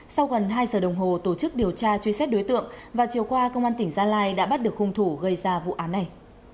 sau gần hai giờ đồng hồ tổ chức điều tra truy xét đối tượng và chiều qua công an tỉnh gia lai đã bắt được hung thủ gây ra vụ án này